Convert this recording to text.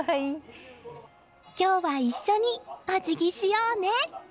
今日は一緒にお辞儀しようね。